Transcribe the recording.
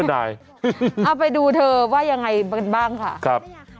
เอาไปดูเธอว่ายังไงบ้างค่ะ